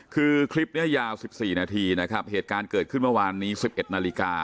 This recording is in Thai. คือคลิปเนี้ยยาวสิบสี่นาทีนะครับเหตุการณ์เกิดขึ้นเมื่อวานนี้สิบเอ็ดนาฬิกา